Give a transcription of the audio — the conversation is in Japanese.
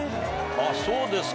あぁそうですか。